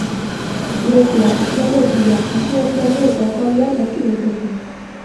Grezia, Ekialde Hurbila, Asia erdialde eta hegoaldean aurki daitezke.